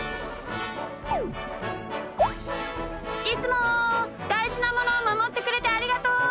いつもだいじなものをまもってくれてありがとう！